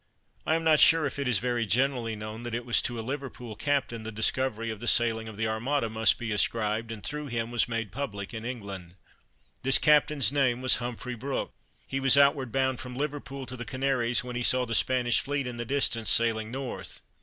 I am not sure if it is very generally known that it was to a Liverpool captain the discovery of the sailing of the Armada must be ascribed, and through him was made public in England. This captain's name was Humphrey Brook. He was outward bound from Liverpool to the Canaries when he saw the Spanish fleet in the distance, sailing north.